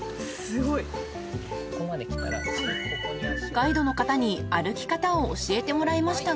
［ガイドの方に歩き方を教えてもらいましたが］